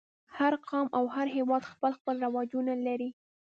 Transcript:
هر قوم او هر هېواد خپل خپل رواجونه لري.